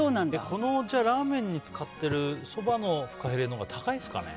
このラーメンに使ってるそばのフカヒレのほうが高いんですかね。